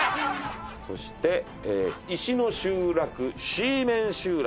そして、石の集落シーメン集落。